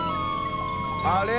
あれ？